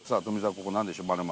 ここ何でしょう？○○。